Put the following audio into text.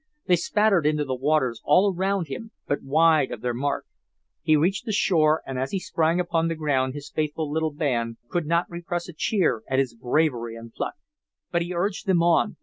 They spattered into the waters all around him, but wide of their mark. He reached the shore, and as he sprang upon the ground his faithful little band could not repress a cheer at his bravery and pluck. But he urged them on.